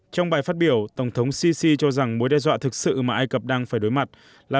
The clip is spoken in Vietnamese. trong bài phát biểu tổng thống sisi cho rằng mối đe dọa thực sự mà ai cập đang phải đối mặt là